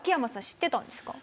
知ってたんですか？